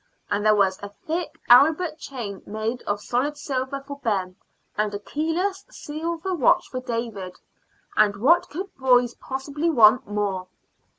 And there was a thick albert chain made of solid silver for Ben, and a keyless silver watch for David; and what could boys possibly want more?